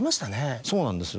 そうなんですよ。